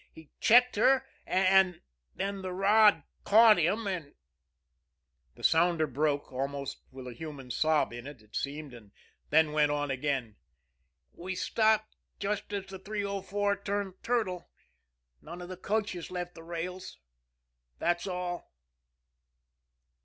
He checked her, and then the rod caught him, and " The sounder broke, almost with a human sob in it, it seemed, and then went on again: "We stopped just as the 304 turned turtle. None of the coaches left the rails. That's all."